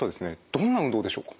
どんな運動でしょうか？